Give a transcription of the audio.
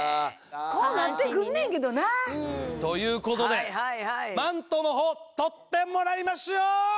こうなってくんねんけどな。ということでマントのほう取ってもらいましょう！